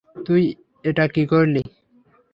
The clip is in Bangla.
তুই এটা কি করলি?